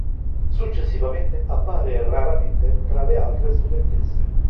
Successivamente, appare raramente tra le altre studentesse.